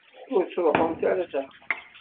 Ur ttruḥumt ara s axxam.